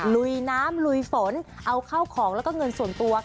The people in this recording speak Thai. ลุยน้ำลุยฝนเอาเข้าของแล้วก็เงินส่วนตัว